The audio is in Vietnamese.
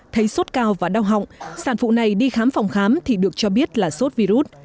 thấy sốt cao và đau họng sản phụ này đi khám phòng khám thì được cho biết là sốt virus